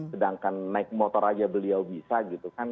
sedangkan naik motor aja beliau bisa gitu kan